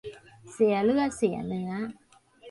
เสียเลือดเสียเนื้อ